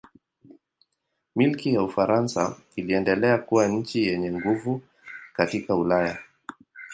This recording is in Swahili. Milki ya Ufaransa iliendelea kuwa nchi yenye nguvu katika Ulaya.